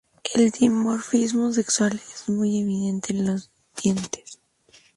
El dimorfismo sexual es muy evidente en los dientes.